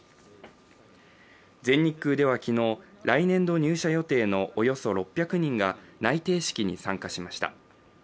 全日空では昨日、来年度入社予定のおよそ６００人が内定式に参加しました。